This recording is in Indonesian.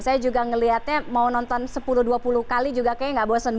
saya juga ngelihatnya mau nonton sepuluh dua puluh kali juga kayaknya nggak bawa sepenuhnya